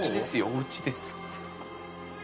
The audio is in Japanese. おうちです。